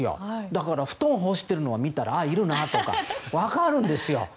だから、布団干してるのを見たらいるなとか分かるんですよ。